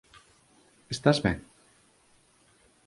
Estás ben?